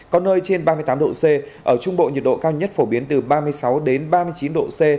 có nơi trên ba mươi tám độ c ở trung bộ nhiệt độ cao nhất phổ biến từ ba mươi sáu ba mươi chín độ c